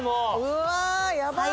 うわやばっ！